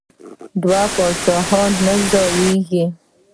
دوه پاچاهان نه ځاییږي.